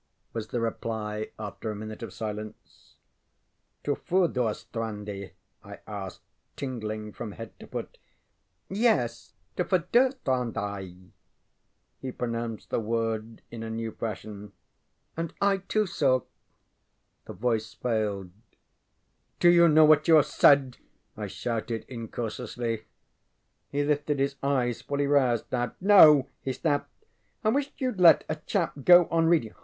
ŌĆØ was the reply, after a minute of silence. ŌĆ£To Furdurstrandi? ŌĆØ I asked, tingling from head to foot. ŌĆ£Yes, to Furdurstrandi, ŌĆØ he pronounced the word in a new fashion ŌĆ£And I too saw ŌĆØ The voice failed. ŌĆ£Do you know what you have said? ŌĆØ I shouted, incautiously. He lifted his eyes, fully roused now. ŌĆ£No! ŌĆØ he snapped. ŌĆ£I wish youŌĆÖd let a chap go on reading.